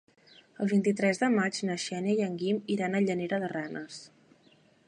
El vint-i-tres de maig na Xènia i en Guim iran a Llanera de Ranes.